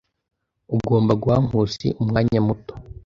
Ugomba guha Nkusi umwanya muto.